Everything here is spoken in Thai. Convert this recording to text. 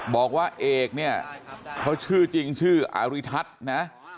บอกว่าเอกเนี่ยเขาชื่อจริงชื่ออาริทัศน์นะ